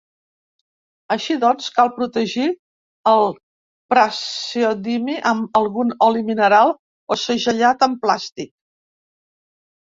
Així doncs, cal protegir el praseodimi amb algun oli mineral o segellat amb plàstic.